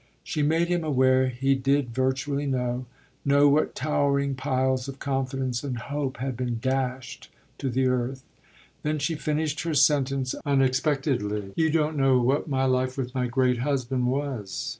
She made him aware he did virtually know know what towering piles of confidence and hope had been dashed to the earth. Then she finished her sentence unexpectedly "You don't know what my life with my great husband was."